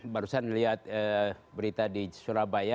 barusan melihat berita di surabaya